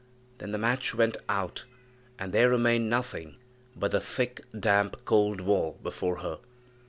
Then the match went out, and there remained nothing but the thick, damp, cold wall before her.